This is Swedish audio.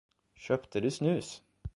Köpte du snus?